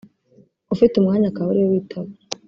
ufite umwanya akaba ari we witaba